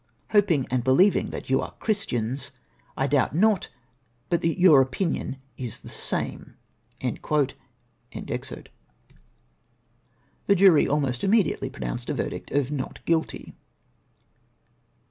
* Hoping and believing that you are Christians, I doubt not but that your opinion is the same.' " The jury almost immediately pronounced a verdict of "Not Guilty."